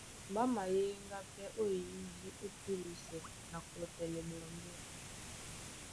Ɓá mayéŋgá pɛ́ ó eyídí ó púlisɛ na kɔtɛlɛ ɓɔmbɔ́.